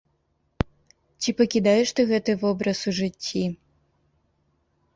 Ці пакідаеш ты гэты вобраз у жыцці?